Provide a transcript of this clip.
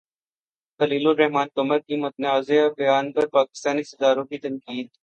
خلیل الرحمن قمر کے متنازع بیان پر پاکستانی ستاروں کی تنقید